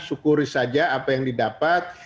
syukuri saja apa yang didapat